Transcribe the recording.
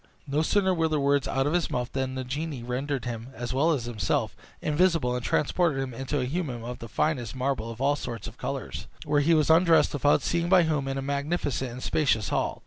No sooner were the words out of his mouth than the genie rendered him, as well as himself, invisible, and transported him into a hummum of the finest marble of all sorts of colors, where he was undressed, without seeing by whom, in a magnificent and spacious hall.